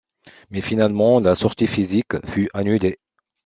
Mais finalement la sortie physique fut annulée.